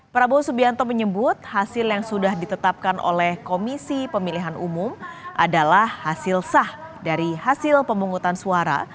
prabowo subianto menyebut hasil yang sudah ditetapkan oleh komisi pemilihan umum adalah hasil sah dari hasil pemungutan suara